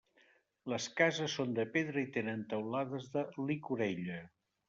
Les cases són de pedra i tenen teulades de llicorella.